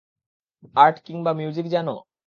Art কিংবা music জানো?